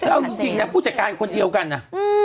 เอาจริงนะผู้จัดการคนเดียวกันนะ